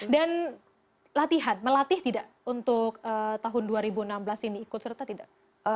dan latihan melatih tidak untuk tahun dua ribu enam belas ini ikut serta tidak